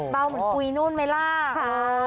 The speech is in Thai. เบาเหมือนคุยนู่นไหมล่ะค่ะ